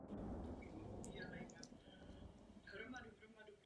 Rok před dokončením mostu Trojského byl zrušen.